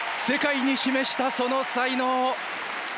世界に示した、その才能。